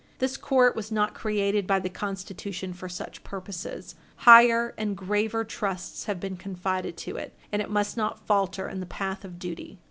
This court was not created by the Constitution for such purposes. Higher and graver trusts have been confided to it, and it must not falter in the path of duty.